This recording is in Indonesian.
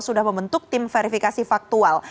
sudah membentuk tim verifikasi faktual